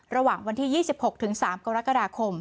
ระหว่างวันที่๒๖๓กรกฎาคม